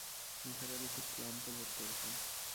নিসার আলি খুব ক্লান্ত বোধ করছেন।